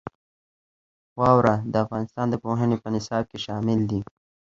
واوره د افغانستان د پوهنې په نصاب کې شامل دي.